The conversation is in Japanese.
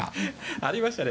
ありましたね。